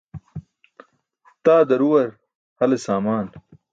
Taa daruwar hale saamaan.